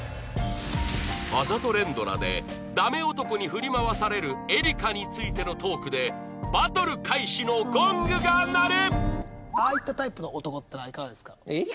あざと連ドラでダメ男に振り回されるエリカについてのトークでバトル開始のゴングが鳴る！